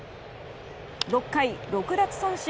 ６回６奪三振